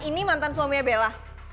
ini mantan suaminya bella